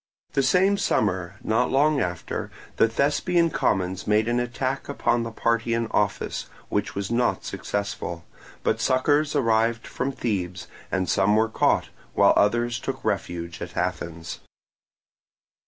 The same summer, not long after, the Thespian commons made an attack upon the party in office, which was not successful, but succours arrived from Thebes, and some were caught, while others took refuge at Athens.